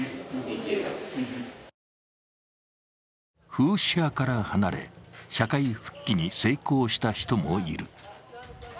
フーシ派から離れ、社会復帰に成功した人もいる。